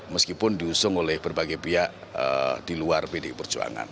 meskipun diusung oleh berbagai pihak di luar pdi perjuangan